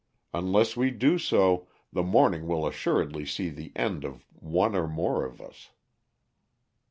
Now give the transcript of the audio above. Unless we do so, the morning will assuredly see the end of one or more of us."